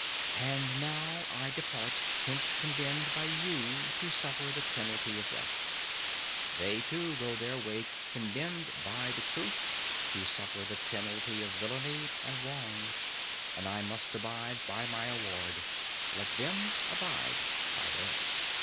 And now I depart hence condemned by you to suffer the penalty of death,—they too go their ways condemned by the truth to suffer the penalty of villainy and wrong; and I must abide by my award—let them abide by theirs.